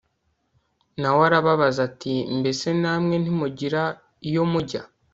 na we arababaza ati “mbese namwe ntimugira iyo mujya